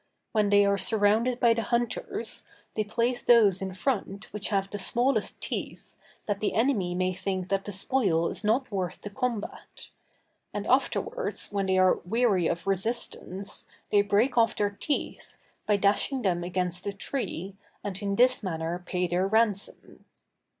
When they are surrounded by the hunters, they place those in front which have the smallest teeth, that the enemy may think that the spoil is not worth the combat; and afterwards, when they are weary of resistance, they break off their teeth, by dashing them against a tree, and in this manner pay their ransom.